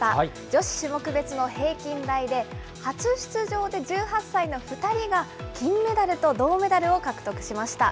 女子種目別の平均台で、初出場で１８歳の２人が金メダルと銅メダルを獲得しました。